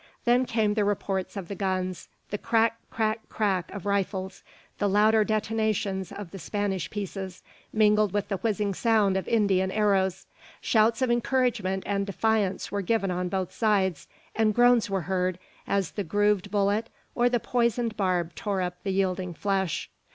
Then came the reports of the guns; the crack crack crack of rifles; the louder detonations of the Spanish pieces, mingled with the whizzing sound of Indian arrows. Shouts of encouragement and defiance were given on both sides; and groans were heard, as the grooved bullet or the poisoned barb tore up the yielding flesh.